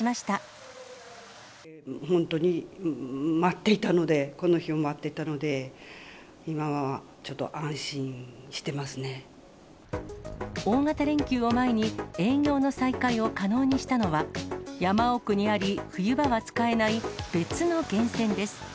本当に待っていたので、この日を待ってたので、大型連休を前に、営業の再開を可能にしたのは、山奥にあり、冬場は使えない、別の源泉です。